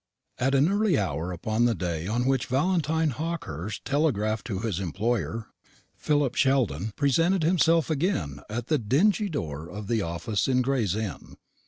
At an early hour upon the day on which Valentine Hawkehurst telegraphed to his employer, Philip Sheldon presented himself again at the dingy door of the office in Gray's Inn.